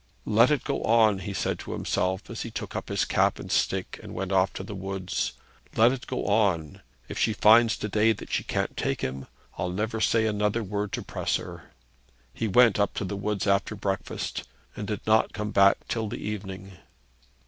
'Let it go on,' he said to himself, as he took up his cap and stick, and went off to the woods. 'Let it go on. If she finds to day that she can't take him, I'll never say another word to press her.' He went up to the woods after breakfast, and did not come back till the evening.